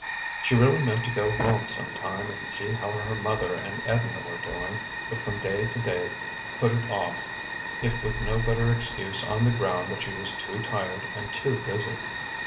She really meant to go home some time and see how her mother and Edna were doing, but from day to day put it off, if with no better excuse on the ground that she was too tired and too busy.